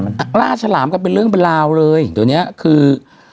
ซึ่งล่าฉลามก็เป็นเรื่องเปล่าเลยตอนนี้คือ